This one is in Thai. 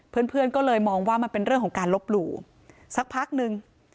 เพื่อนเพื่อนก็เลยมองว่ามันเป็นเรื่องของการลบหลู่สักพักนึง